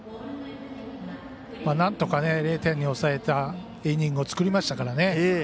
なんとか０点に抑えたイニングを作りましたからね。